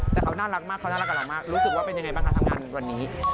แต่เขาน่ารักมากเขาน่ารักกับเรามากรู้สึกว่าเป็นยังไงบ้างคะทำงานวันนี้